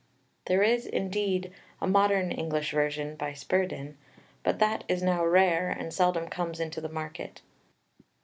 There is, indeed, a modern English version by Spurden, but that is now rare, and seldom comes into the market.